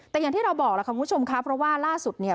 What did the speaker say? แต่อย่างที่เราบอกแล้วค่ะคุณผู้ชมครับเพราะว่าล่าสุดเนี่ย